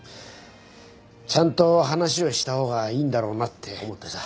ちゃんと話をした方がいいんだろうなって思ってさ。